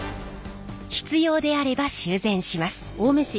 必要であれば修繕します。